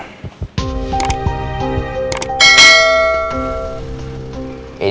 ini soal bela om